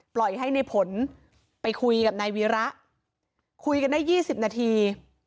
ปล่อยให้ในผลไปคุยกับนายวีระคุยกันได้๒๐นาที